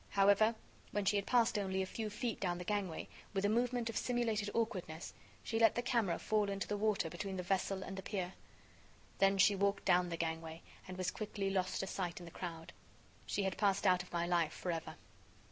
However, when she had passed only a few feet down the gangway, with a movement of simulated awkwardness, she let the camera fall into the water between the vessel and the pier. Then she walked down the gangway, and was quickly lost to sight in the crowd. She had passed out of my life forever.